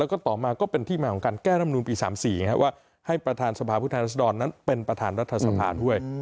แล้วก็ต่อมาก็เป็นที่มาของการแก้ร่ำนูลปี๓๔ว่าให้ประธานสภาพุทธรัศดรนั้นเป็นประธานรัฐสภาด้วย